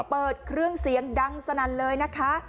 เปิดเครื่องเสียงดังสนั่นเลยนะคะ